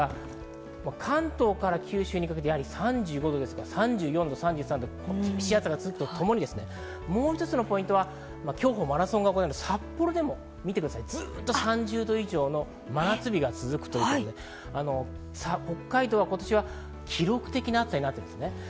関東から九州にかけて厳しい暑さが続くとともにもう一つのポイントは、今日マラソンが行われる札幌もずっと３０度以上の真夏日が続くということで、北海道は今年は記録的な暑さになったんです。